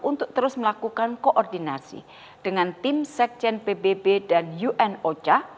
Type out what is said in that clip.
untuk terus melakukan koordinasi dengan tim sekjen pbb dan unocha